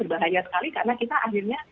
bahaya sekali karena kita akhirnya